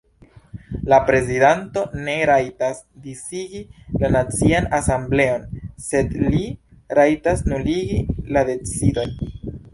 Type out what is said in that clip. La prezidanto ne rajtas disigi la Nacian Asembleon, sed li rajtas nuligi la decidojn.